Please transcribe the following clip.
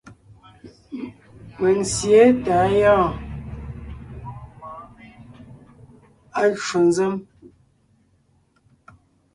Mèŋ sǐe tà á gyɔ́ɔn; À ncwò nzèm.